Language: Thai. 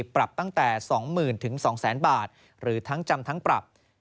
ปรับตั้งแต่๒๐๐๐๒๐๐๐๐บาทหรือทั้งจำทั้งปรับ